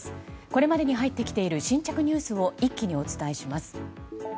これまでに入ってきている新着ニュースを一気にお伝えします。